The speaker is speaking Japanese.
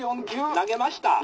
「投げました」。